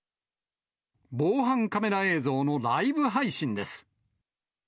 防犯カメラ映像のライブ配信です。